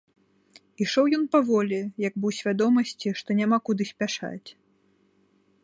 Ішоў ён паволі, як бы ў свядомасці, што няма куды спяшаць.